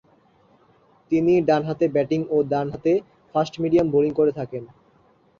তিনি ডানহাতে ব্যাটিং ও ডানহাতে ফাস্ট মিডিয়াম বোলিং করে থাকেন।